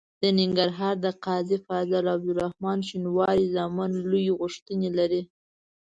د ننګرهار د قاضي فضل الرحمن شینواري زامن لویې غوښتنې لري.